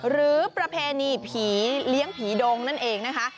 ประเพณีผีเลี้ยงผีดงนั่นเองนะคะ